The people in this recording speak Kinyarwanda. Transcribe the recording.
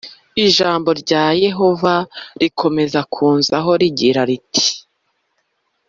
Ijambo rya Yehova rikomeza kunzaho rigira riti